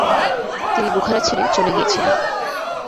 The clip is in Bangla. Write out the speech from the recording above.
তিনি বুখারা ছেড়ে চলে গিয়েছিলেন।